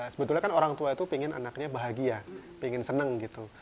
sebetulnya kan orang tua itu pengen anaknya bahagia pengen seneng gitu